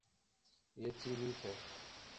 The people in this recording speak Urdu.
یہ چینی تھے۔